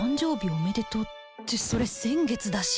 おめでとうってそれ先月だし